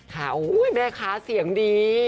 ค่ะโอ๊ยแม่คะเสียงดี